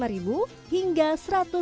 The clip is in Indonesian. jadi ini model yang lebih terkenal